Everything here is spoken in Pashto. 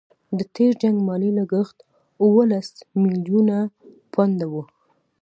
د تېر جنګ مالي لګښت اوولس میلیونه پونډه وو.